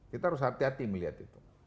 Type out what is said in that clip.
kita harus hati hati melihat itu